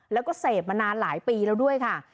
แล้วก็เสพมานานหลายปีแล้วด้วยค่ะ